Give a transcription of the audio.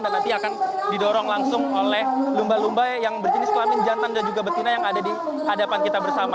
dan nanti akan didorong langsung oleh lumba lumba yang berjenis kelamin jantan dan juga betina yang ada di hadapan kita bersama